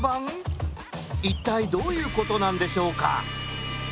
一体どういうことなんでしょうか？